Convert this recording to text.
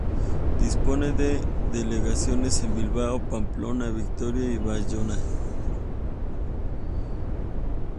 Dispone de delegaciones en Bilbao, Pamplona, Vitoria y Bayona.